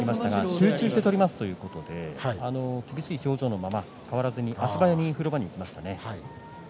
集中して取りますということで厳しい表情のまま変わらず足早に風呂場に行きました。